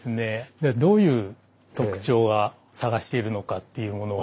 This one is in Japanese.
ではどういう特徴が探しているのかっていうものを。